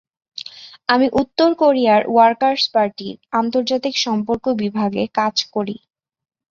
আমি উত্তর কোরিয়ার ওয়ার্কার্স পার্টির, আন্তর্জাতিক সম্পর্ক বিভাগে কাজ করি।